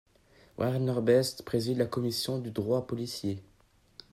Werner Best préside la commission du droit policier.